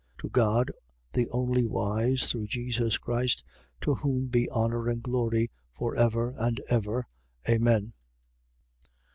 To God, the only wise, through Jesus Christ, to whom be honour and glory for ever and ever. Amen.